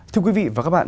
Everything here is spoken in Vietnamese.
thưa quý vị và các bạn